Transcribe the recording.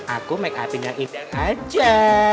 aku makeupnya indah aja